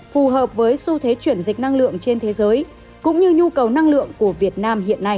phù hợp với xu thế chuyển dịch năng lượng trên thế giới cũng như nhu cầu năng lượng của việt nam hiện nay